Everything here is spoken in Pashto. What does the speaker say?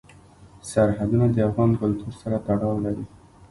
سرحدونه د افغان کلتور سره تړاو لري.